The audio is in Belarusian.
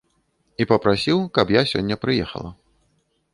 І папрасіў, каб я сёння прыехала.